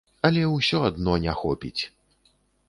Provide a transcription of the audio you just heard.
Але ўсё адно не хопіць!